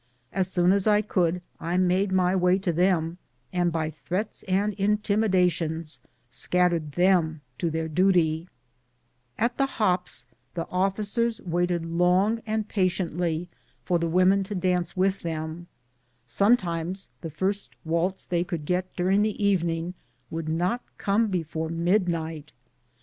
As soon as I could, I made my way to them, and by threats and intimidations scat tered them to their duty ! At the hops the officers waited long and patiently for PERPLEXITIES AND PLEASURES OF DOMESTIC LIFE. 129 the women to dance with them; sometimes the first waltz they conld get during the evening would not come before midnight.